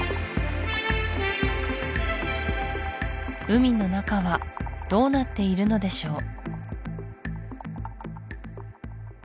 海の中はどうなっているのでしょう